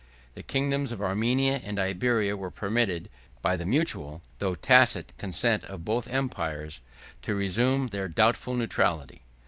The kingdoms of Armenia and Iberia were permitted, by the mutual, though tacit consent of both empires, to resume their doubtful neutrality.